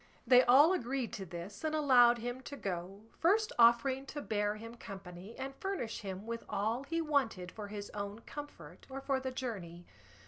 They all agreed to this, and allowed him to go, first offering to bear him company and furnish him with all he wanted for his own comfort or for the journey.